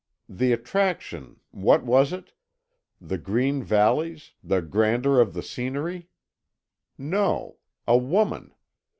The attraction what was it? The green valleys the grandeur of the scenery? No. A woman.